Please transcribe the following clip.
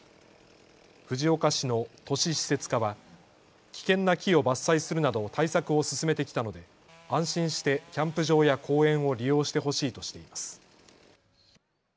藤岡市の都市施設課は危険な木を伐採するなど対策を進めてきたので安心してキャンプ場や公園を利用してほしいとしています。